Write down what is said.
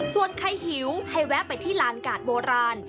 ส่วนใครหิวให้แวะไปที่ลานกาดโบราณ